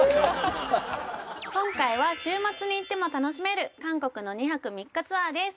今回は週末に行っても楽しめる韓国の２泊３日ツアーです